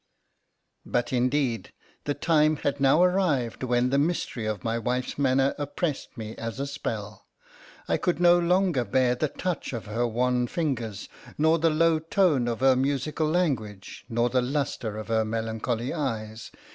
But, indeed, the time had now arrived when the mystery of my wife's manner oppressed me as a spell. I could no longer bear the touch of her wan fingers, nor the low tone of her musical language, nor the lustre of her melancholy eyes.